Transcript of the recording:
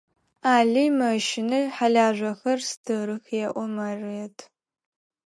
Алый мэщынэ, хьалыжъохэр стырых, – elo Марыет.